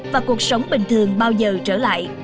và cuộc sống bình thường bao giờ trở lại